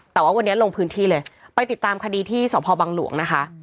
แต่ว่าวันนี้ลงพื้นที่เลยไปติดตามคดีที่สพบังหลวงนะคะ